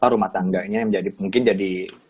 rumah tangganya yang mungkin jadi